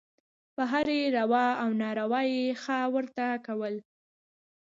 په هرې روا او ناروا یې «ښه» ورته کول.